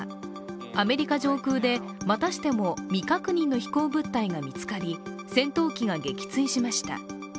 アメリカ上空で、またしても未確認の飛行物体が見つかり戦闘機が撃墜しました。